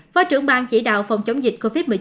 phó trưởng ban chỉ đạo phòng chống dịch covid một mươi chín